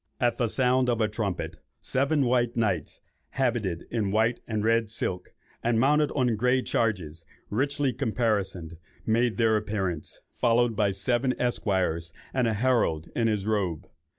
At the sound of a trumpet, "seven white knights, habited in white and red silk, and mounted on grey chargers, richly caparisoned," made their appearance, followed by seven esquires, and a herald in his robe.